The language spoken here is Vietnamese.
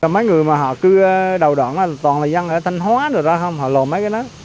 mấy người mà họ cứ đầu đoạn là toàn là dân ở thanh hóa rồi đó không họ lộ mấy cái đó